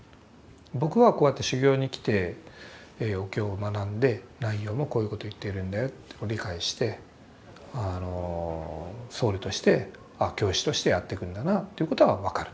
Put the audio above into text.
僕はこうやって修行に来てお経を学んで内容もこういうことを言っているんだよって理解して僧侶として教師としてやっていくんだなってことは分かると。